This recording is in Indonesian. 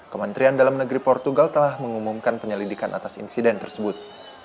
kementerian dalam negeri portugal telah mengumumkan penyelidikan atas insiden tersebut